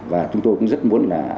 và chúng tôi cũng rất muốn là